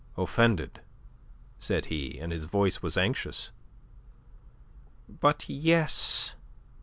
"Offended?" said he, and his voice was anxious. "But yes.